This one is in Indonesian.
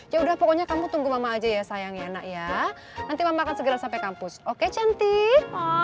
ya udah pokoknya kamu tunggu mama aja ya sayangnya nak ya nanti mama akan segera sampai kampus oke cantik